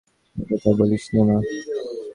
ও কথা বলিস নে মা।